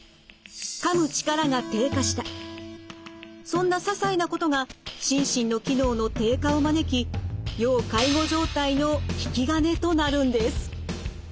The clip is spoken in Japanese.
そんなささいなことが心身の機能の低下を招き要介護状態の引き金となるんです。